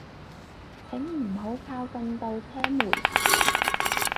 請唔好靠近度車門